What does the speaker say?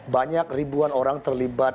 banyak ribuan orang terlibat